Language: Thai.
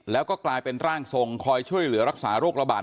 แล้วก็กลายเป็นร่างทรงคอยช่วยเหลือรักษาโรคระบาด